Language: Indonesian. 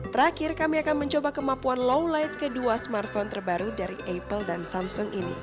terakhir kami akan mencoba kemampuan low light kedua smartphone terbaru dari apple dan samsung ini